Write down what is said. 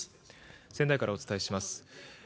仙台からお伝えします。